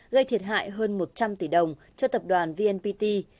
gây thiệt hại hơn một trăm linh tỷ đồng cho tập đoàn vnpt